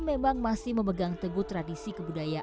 di sini biasanya tradisinya